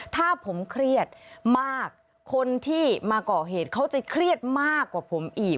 ถ้าผมเครียดมากคนที่มาก่อเหตุเขาจะเครียดมากกว่าผมอีก